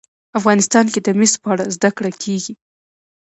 افغانستان کې د مس په اړه زده کړه کېږي.